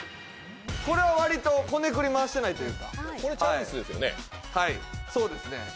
これは割とこねくり回してないというかこれチャンスですよね